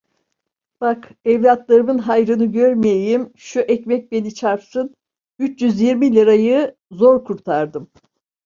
Bak, evlatlarımın hayrını görmeyeyim, şu ekmek beni çarpsın, üç yüz yirmi lirayı zor kurtardım.